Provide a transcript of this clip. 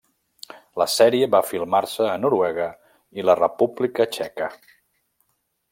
La sèrie va filmar-se a Noruega i la República Txeca.